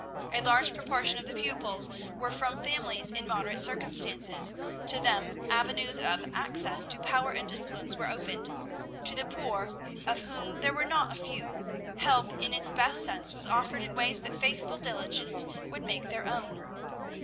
A large proportion of the pupils were from families in moderate circumstances; to them avenues of access to power and influence were opened. To the poor, of whom there were not a few, help in its best sense was offered in ways that faithful diligence would make their own.